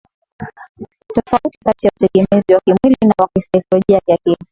tofauti kati ya utegemezi wa kimwili na wa kisaikolojia kiakili